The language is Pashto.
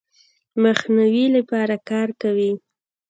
مخنیوي لپاره کار کوي.